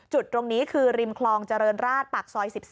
จุดตรงนี้คือริมคลองเจริญราชปากซอย๑๒